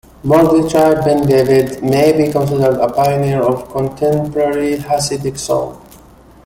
Mordechai Ben David may be considered a pioneer of contemporary Hasidic song.